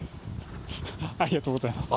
ありがとうございます。